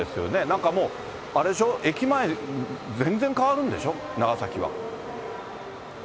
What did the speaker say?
なんかもう、あれでしょ、駅前、全然変わるんでしょ、長崎は。